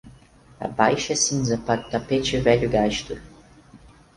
Abaixe a cinza para o tapete velho gasto.